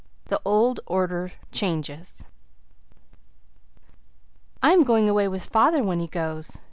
THE OLD ORDER CHANGETH "I am going away with father when he goes.